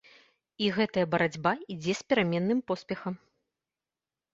І гэтая барацьба ідзе з пераменным поспехам.